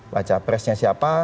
baca pressnya siapa